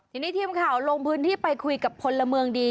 ทีนี้ทีมข่าวลงพื้นที่ไปคุยกับพลเมืองดี